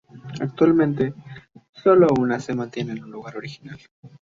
Actualmente, solo una se mantiene en su lugar original.